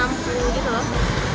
enam puluh gitu loh